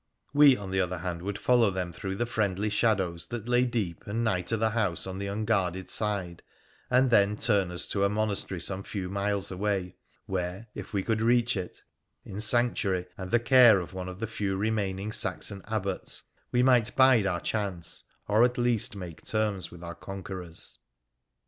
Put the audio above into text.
We, on the other hand, would follow them through the friendly shadows that lay deep and nigh to the house on the unguarded side, and then turn us to a monastery some few miles away, where, if we could reach it, in Sanctuary and the care of one of the few remaining Saxon abbots, we might bide our chance, or at least make terms with our conquerors.